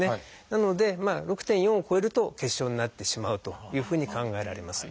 なので６．４を超えると結晶になってしまうというふうに考えられます。